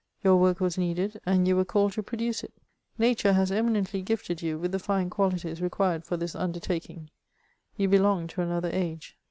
Your work was needed, and you were called to produce it Nature has eminently gifted you with the fine qualities required for this undertaking : you belong to another age.